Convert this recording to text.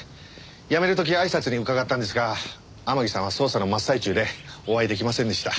辞める時挨拶に伺ったんですが天樹さんは捜査の真っ最中でお会いできませんでした。